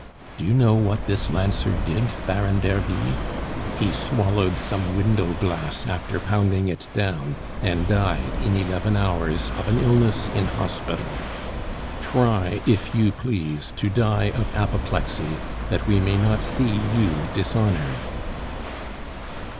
Do you know what this lancer did, Baron d'Ervy? He swallowed some window glass after pounding it down, and died in eleven hours, of an illness, in hospital. Try, if you please, to die of apoplexy, that we may not see you dishonored."